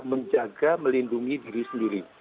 menjaga melindungi diri sendiri